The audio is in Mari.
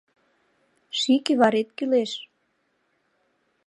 Ший кӱварет кӱлеш.